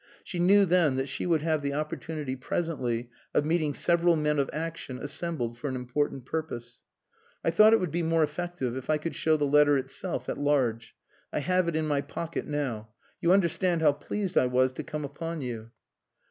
She knew then that she would have the opportunity presently of meeting several men of action assembled for an important purpose. "I thought it would be more effective if I could show the letter itself at large. I have it in my pocket now. You understand how pleased I was to come upon you."